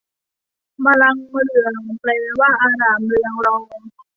มลังเมลือง แปลว่า อร่ามเรืองรอง